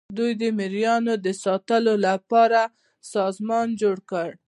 دوی د مرئیانو د ساتلو لپاره سازمان جوړ کړ.